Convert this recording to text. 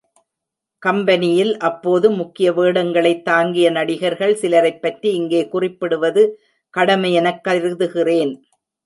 கம்பெனியில் அப்போது முக்கிய வேடங்களைத் தாங்கிய நடிகர்கள் சிலரைப்பற்றி இங்கே குறிப்பிடுவது கடமையெனக் கருதுகிறேன்.